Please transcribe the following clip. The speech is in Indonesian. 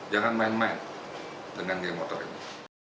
jangan main main dengan geng motor ini